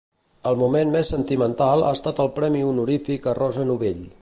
El moment més sentimental ha estat el Premi Honorífic a Rosa Novell.